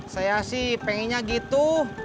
saya sih pengennya gitu